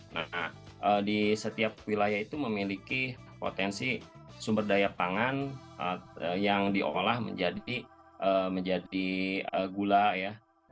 nah di setiap wilayah itu memiliki potensi sumber daya pangan yang diolah menjadi gula ya